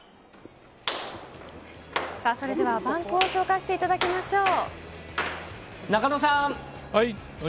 バンクを紹介していただきましょう。